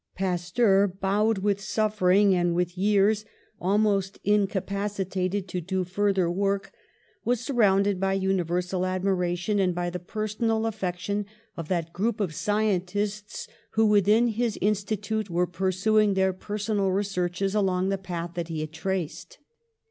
Pasteur, bowed with suffering and with years, almost incapaci 188 THE SUPREME HOMAGE 189 tated to do further work, was surrounded by universal admiration and by the personal affec tion of that group of scientists who, within his Institute, were pursuing their personal re searches along the path that he had traced.